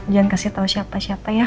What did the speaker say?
jangan kasih tahu siapa siapa ya